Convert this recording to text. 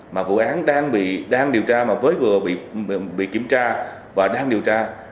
mà vụ án đang điều tra mà mới vừa bị kiểm tra và đang điều tra